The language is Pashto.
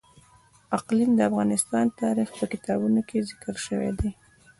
اقلیم د افغان تاریخ په کتابونو کې ذکر شوی دي.